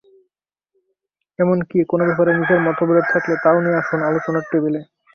এমনকি কোনো ব্যাপারে নিজের মতবিরোধ থাকলে তা-ও নিয়ে আসুন আলোচনার টেবিলে।